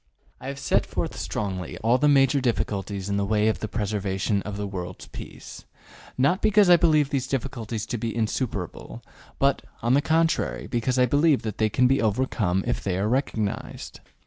I have set forth strongly all the major difficulties in the way of the preservation of the world's peace, not because I believe these difficulties to be insuperable, but, on the contrary, because I believe that they can be overcome if they are recognized.